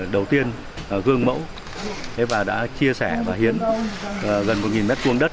đầu tiên gương mẫu và đã chia sẻ và hiến gần một m hai đất